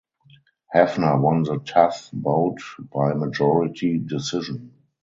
Hafner won the tough bout by majority decision.